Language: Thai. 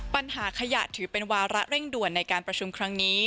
ปัญหาขยะถือเป็นวาระเร่งด่วนในการประชุมครั้งนี้